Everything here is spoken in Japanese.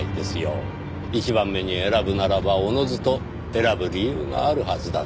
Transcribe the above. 一番目に選ぶならばおのずと選ぶ理由があるはずだと。